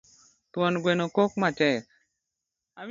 Thuon gweno kok matek